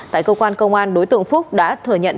tại cơ quan công an đối tượng phúc đã thừa nhận